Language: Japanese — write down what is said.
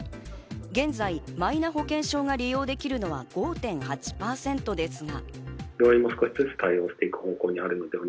現在、マイナ保険証が利用できるのは５．８％ですが。